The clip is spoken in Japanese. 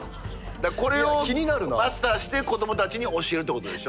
だからこれをマスターして子どもたちに教えるってことでしょ？